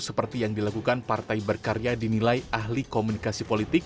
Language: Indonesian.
seperti yang dilakukan partai berkarya dinilai ahli komunikasi politik